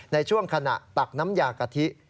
ในช่วงขณะตักน้ำยากะทิ